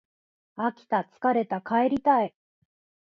飽きた疲れた帰りたい